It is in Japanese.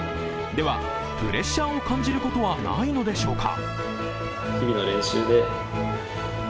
では、プレッシャーを感じることはないのでしょうか。